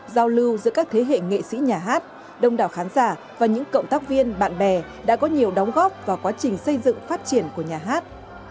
giao lưu giữa các thế hệ nghệ sĩ nhà hát đông đảo khán giả và những cộng tác viên bạn bè đã có nhiều đóng góp vào quá trình xây dựng phát triển của nhà hát